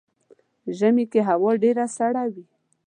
ژمی کې هوا ډیره سړه وي .